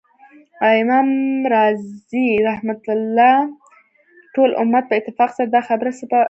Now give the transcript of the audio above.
امام رازی رحمه الله : ټول امت په اتفاق سره دا خبره ثابته سوی